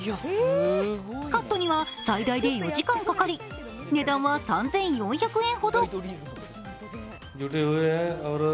カットには最大で４時間かかり値段は３４００円ほど。